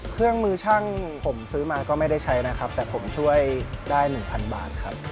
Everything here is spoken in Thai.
เครื่องมือช่างผมซื้อมาก็ไม่ได้ใช้นะครับแต่ผมช่วยได้๑๐๐บาทครับ